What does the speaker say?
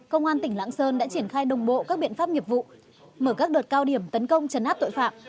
công an tỉnh lạng sơn đã triển khai đồng bộ các biện pháp nghiệp vụ mở các đợt cao điểm tấn công chấn áp tội phạm